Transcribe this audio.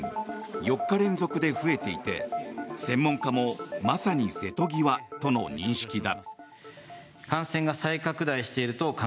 ４日連続で増えていて、専門家もまさに瀬戸際との認識だ。